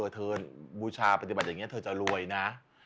เธอบูชาปฏิบัติอย่างนี้เธอจะรวยนะ